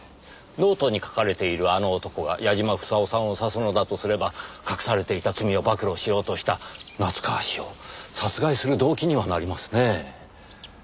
ノートに書かれている「あの男」が矢嶋房夫さんを指すのだとすれば隠されていた罪を暴露しようとした夏河氏を殺害する動機にはなりますねぇ。